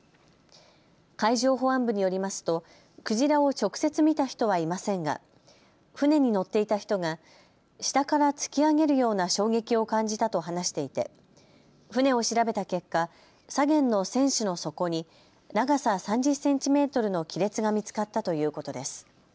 海上保安部によりますとクジラを直接見た人はいませんが船に乗っていた人が下から突き上げるような衝撃を感じたと話していて船を調べた結果、左舷の船首の底に長さ３０センチメートルの亀裂が見つかったということです。